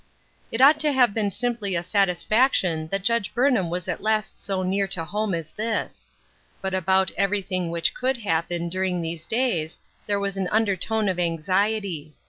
It ought to have been simply a satisfaction that Judge Burnham was at last so near home as this. But about everything which could happen, during these days, there was an undertone of anxiety.